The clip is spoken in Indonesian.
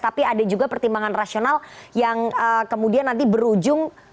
tapi ada juga pertimbangan rasional yang kemudian nanti berujung